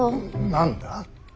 何だ。